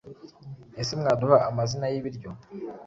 Ese mwaduha amazina yibiryo